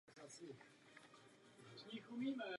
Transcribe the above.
Zkušenost nás učí, že když je máme, býváme úspěšní.